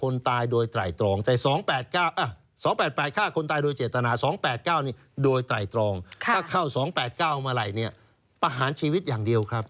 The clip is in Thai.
ในด้วยตายตลองใจโค้กฏษภาพแบบนี้ถ้าเขาเข้า๒๘๙มากระจงประหารชีวิตอย่างเดียวครับ